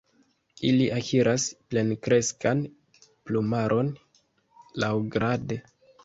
Ili akiras plenkreskan plumaron laŭgrade.